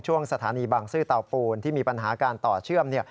สถานีบางซื่อเตาปูนที่มีปัญหาการต่อเชื่อม